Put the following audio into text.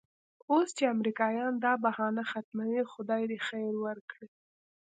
اوس چې امریکایان دا بهانه ختموي خدای دې خیر ورکړي.